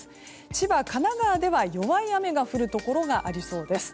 千葉、神奈川では弱い雨が降るところがありそうです。